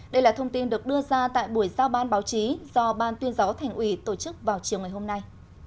đây là thông tin được đưa ra tại buổi giao ban báo chí do ban tuyên giáo thành ủy tổ chức vào chiều ngày hôm nay